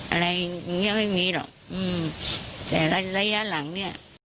อะไรอย่างเงี้ยไม่มีหรอกอืมแต่ระยะหลังเนี้ย